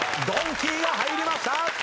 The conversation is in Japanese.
ドンキーが入りました！